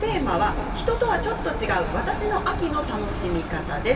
人とはちょっと違う私の秋の楽しみ方です。